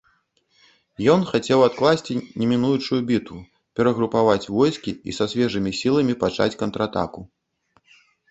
Ён хацеў адкласці немінучую бітву, перагрупаваць войскі і са свежымі сіламі пачаць контратаку.